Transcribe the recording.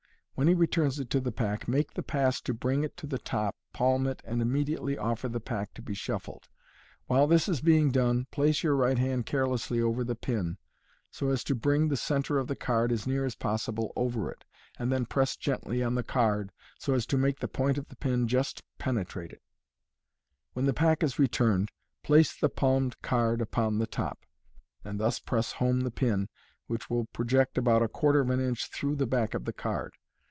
When he returns it to the pack, make the pass to bring it to the top, palm it, and immediately offer the pack to be shuffled. While this is being done, place your right hand carelessly over the pin, so as to bring the centre of the card as near as possible over it, and then press gently on the card, so as to make the point of the pin just penetrate it. When the pack is returned, place the palmed card upon the top, and thus press home the pin, which will project about a quarter of an inch through the back of the card.